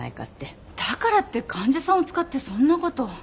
だからって患者さんを使ってそんな事。